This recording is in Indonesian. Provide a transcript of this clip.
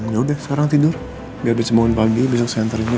yaudah sekarang tidur biar bisa bangun pagi besok saya hantar aja